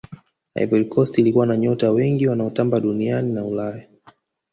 ivory coast ilikuwa na nyota wengi wanaotamba duniani na ulaya